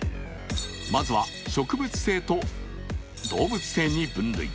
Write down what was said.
まずは植物性と動物性に分類。